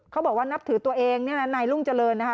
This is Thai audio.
เขาบอกว่านับถือตัวเองไนลุงเจริญนะคะ